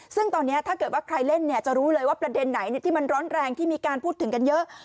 ซึ่งตอนนี้ถ้าเกิดว่าใครเล่นเนี่ยจะรู้เลยว่าประเด็นไหนที่มันร้อนแรงที่มีการพูดถึงกันเยอะ